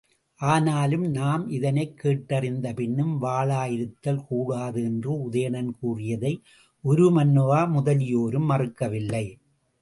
ஆனாலும் நாம் இதனைக் கேட்டறிந்த பின்னும் வாளா இருத்தல் கூடாது என்று உதயணன் கூறியதை உருமண்ணுவா முதலியோரும் மறுக்கவில்லை.